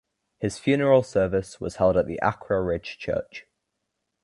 His funeral service was held at the Accra Ridge Church.